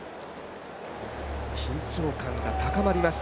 緊張感が高まりました、